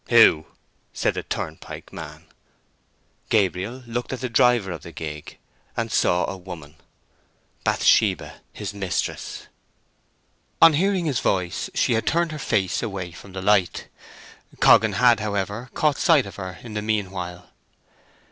"Who?" said the turnpike man. Gabriel looked at the driver of the gig, and saw a woman—Bathsheba, his mistress. On hearing his voice she had turned her face away from the light. Coggan had, however, caught sight of her in the meanwhile.